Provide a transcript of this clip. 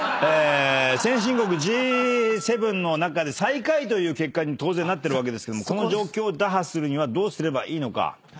先進国Ｇ７の中で最下位という結果に当然なってるわけですけどもこの状況を打破するにはどうすればいいのか？